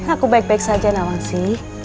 aku baik baik saja nawasi